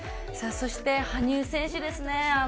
そして羽生選手ですね